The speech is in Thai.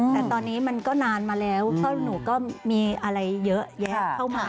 แต่ตอนนี้มันก็นานมาแล้วเพราะหนูก็มีอะไรเยอะแยะเข้ามา